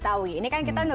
terus saya sendiri banten